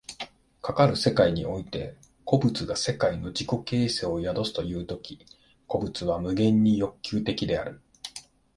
かかる世界において個物が世界の自己形成を宿すという時、個物は無限に欲求的である。